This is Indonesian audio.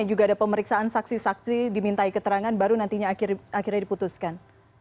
juga ada pemeriksaan saksi saksi dimintai keterangan baru nantinya akhirnya diputuskan